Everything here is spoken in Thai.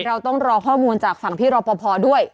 เราต้องรอข้อมูลจากฝั่งพี่รอปภด้วย